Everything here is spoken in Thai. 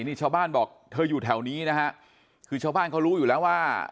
นี่ชาวบ้านบอกเธออยู่แถวนี้นะฮะคือชาวบ้านเขารู้อยู่แล้วว่า